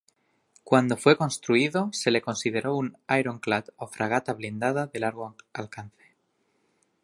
Cuando fue construido, se le consideró un ironclad o fragata blindada de largo alcance.